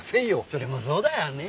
それもそうだよね。